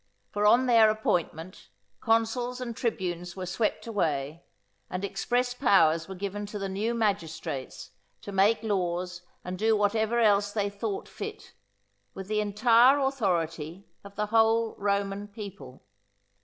For on their appointment, consuls and tribunes were swept away, and express powers were given to the new magistrates to make laws and do whatever else they thought fit, with the entire authority of the whole Roman people.